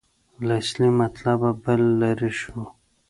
له اصلي مطلبه به لرې شو.